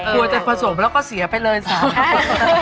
กลัวจะผสมแล้วก็เสียไปเลย๓คน